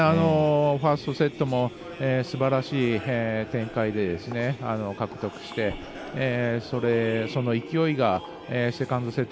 ファーストセットもすばらしい展開で獲得してその勢いがセカンドセット